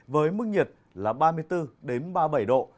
với mức nhiệt là ba mươi bốn ba mươi bảy độ